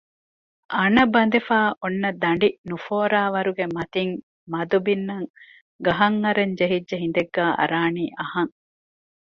އަނަ ބަނދެފައި އޮންނަ ދަނޑި ނުފޯރާވަރުގެ މަތިން މަދު ބިންނަން ގަހަށް އަރަށް ޖެހިއްޖެ ހިނދެއްގައި އަރާނީ އަހަން